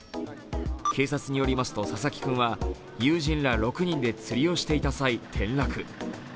警察によりますと、佐々木君は友人ら６人で釣りをしていた際、転落。